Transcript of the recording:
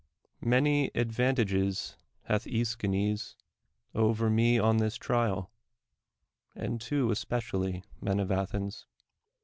]\Iany advantages hath .Kschinc\s over me on this trial ; and two especially, men of Athens.